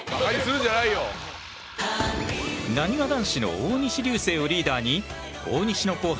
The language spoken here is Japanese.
なにわ男子の大西流星をリーダーに大西の後輩